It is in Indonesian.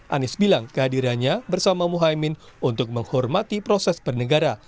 anies bilang kehadirannya bersama muhaymin untuk menghormati proses bernegara